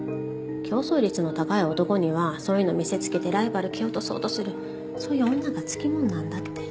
競争率の高い男にはそういうの見せつけてライバル蹴落とそうとするそういう女が付きもんなんだって。